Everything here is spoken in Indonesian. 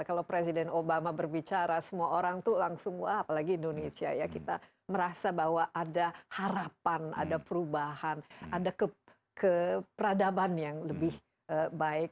kalau presiden obama berbicara semua orang tuh langsung wah apalagi indonesia ya kita merasa bahwa ada harapan ada perubahan ada keperadaban yang lebih baik